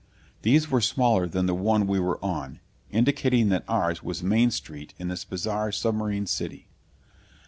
These were smaller than the one we were on, indicating that ours was Main Street in this bizarre submarine city.